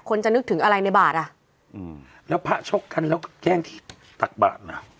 จะนึกถึงอะไรในบาทอ่ะอืมแล้วพระชกกันแล้วแกล้งที่ตักบาทน่ะ